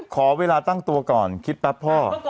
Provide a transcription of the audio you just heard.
ขอเวลาตั้งตัวก่อนคิดแป๊บพ่อ